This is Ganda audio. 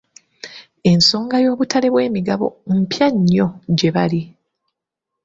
Ensonga y'obutale bw'emigabo mpya nnyo gye bali.